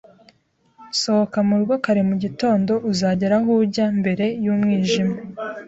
Sohoka mu rugo kare mu gitondo, uzagera aho ujya mbere y'umwijima.